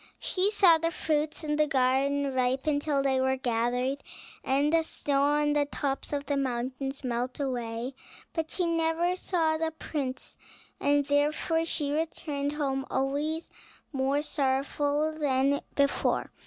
She saw the fruits in the garden ripen till they were gathered, the snow on the tops of the mountains melt away; but she never saw the prince, and therefore she returned home, always more sorrowful than before.